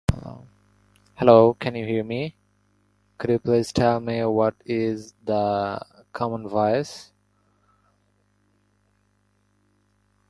However, the helmet facemasks remained blue.